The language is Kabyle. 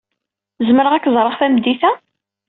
Zemreɣ ad k-ẓreɣ tameddit-a?